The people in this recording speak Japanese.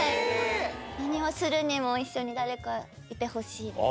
何をするにも一緒に誰かいてほしいです。